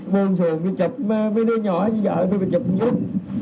buông xuồng chụp mấy đứa nhỏ với vợ tôi chụp nhút